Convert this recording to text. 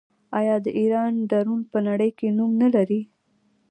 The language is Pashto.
آیا د ایران ډرون په نړۍ کې نوم نلري؟